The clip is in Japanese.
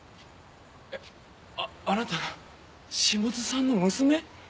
ああなたが下津さんの娘？